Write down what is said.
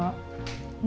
udah pak nino